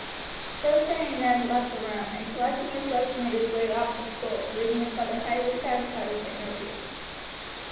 So saying Ned left the room, and collecting his books made his way off to school, leaving his mother highly satisfied with the interview.